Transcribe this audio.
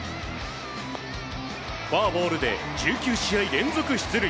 フォアボールで１９試合連続出塁。